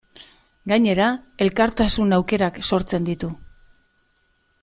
Gainera, elkartasun aukerak sortzen ditu.